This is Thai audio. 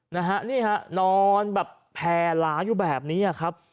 นะฮะนี่ฮะนอนแบบแผ่หลาอยู่แบบนี้ครับ